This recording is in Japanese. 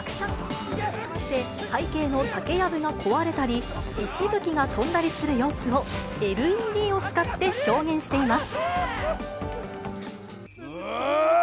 背景の竹やぶが壊れたり、血しぶきが飛んだりする様子をＬＥＤを使って表現しています。